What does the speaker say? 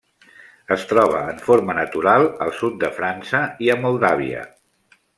Es troba en forma natural al sud de França i a Moldàvia.